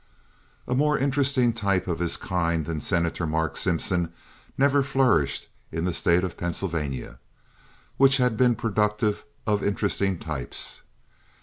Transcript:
A more interesting type of his kind than Senator Mark Simpson never flourished in the State of Pennsylvania, which has been productive of interesting types.